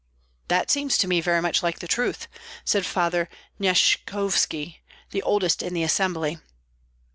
"That seems to me very much like truth," said Father Nyeshkovski, the oldest in the assembly.